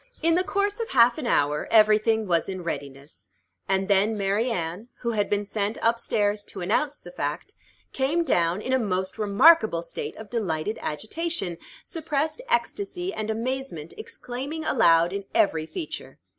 In the course of half an hour every thing was in readiness; and then Mary Anne, who had been sent up stairs to announce the fact, came down in a most remarkable state of delighted agitation, suppressed ecstasy and amazement exclaiming aloud in every feature.